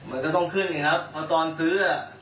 มันก็ต้องขึ้นสิครับเพราะตอนซื้อ